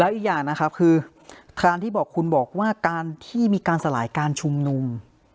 อีกอย่างนะครับคือการที่บอกคุณบอกว่าการที่มีการสลายการชุมนุม